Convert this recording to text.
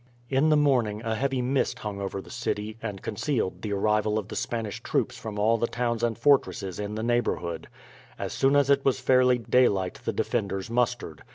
In the morning a heavy mist hung over the city, and concealed the arrival of the Spanish troops from all the towns and fortresses in the neighbourhood. As soon as it was fairly daylight the defenders mustered.